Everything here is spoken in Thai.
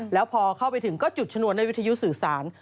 แล้วพอเข้าไปถึงก็จุดชนวนด้วยวิทยุสื่อสาร